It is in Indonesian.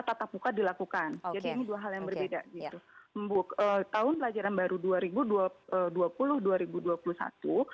tatap muka dilakukan jadi ini dua hal yang berbeda gitu tahun pelajaran baru dua ribu dua puluh dua ribu dua puluh satu